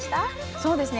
そうですね